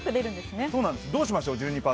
どうしましょう、１２％。